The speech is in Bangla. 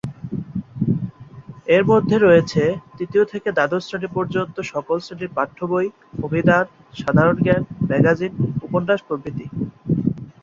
এর মধ্যে রয়েছে তৃতীয় থেকে দ্বাদশ শ্রেণী পর্যন্ত সকল শ্রেণীর পাঠ্যবই, অভিধান, সাধারণ জ্ঞান, ম্যাগাজিন, উপন্যাস প্রভৃতি।